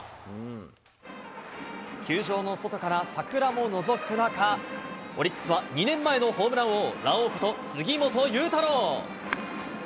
球場の外から桜ものぞく中、オリックスは２年前のホームラン王、ラオウこと杉本裕太郎。